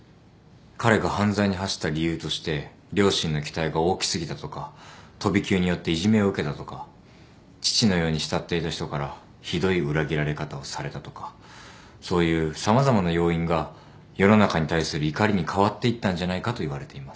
彼が犯罪に走った理由として両親の期待が大き過ぎたとか飛び級によっていじめを受けたとか父のように慕っていた人からひどい裏切られ方をされたとかそういう様々な要因が世の中に対する怒りに変わっていったんじゃないかといわれています。